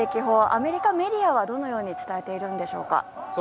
アメリカメディアはどのように伝えているんでしょうか。